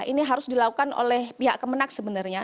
ini harus dilakukan oleh pihak kemenang sebenarnya